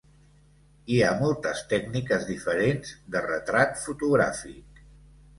Hi ha moltes tècniques diferents de retrat fotogràfic.